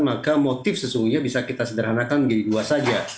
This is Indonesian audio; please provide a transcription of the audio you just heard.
maka motif sesungguhnya bisa kita sederhanakan menjadi dua saja